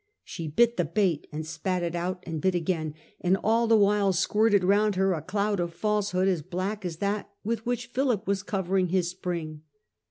She bit the bait and spat it out, and bit again, and all the while squirted round her a cloud of falsehood as black as that with which Philip was covering his spring.